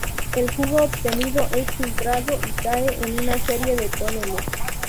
El jugo obtenido es filtrado y cae en una serie de toneles.